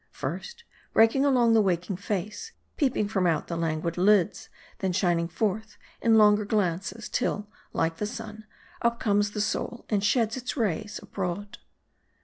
First, breaking along the waking face ; peeping from out the languid lids ; then shining forth in longer glances ; till, like the sun, up comes the soul, and sheds its rays abroad.